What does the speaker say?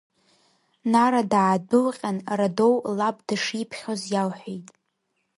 Нара даадәылҟьан, Радоу лаб дышиԥхьоз иалҳәеит.